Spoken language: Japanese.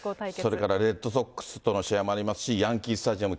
それからレッドソックスとの試合もありますし、ヤンキースタジアム